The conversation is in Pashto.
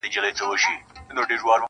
زېری مو راباندي ریشتیا سوي مي خوبونه دي-